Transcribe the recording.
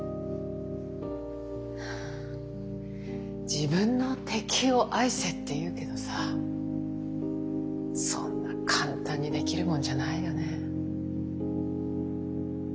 自分の敵を愛せって言うけどさあそんな簡単にできるもんじゃないよね。